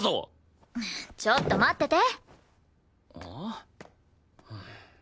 ちょっと待ってて。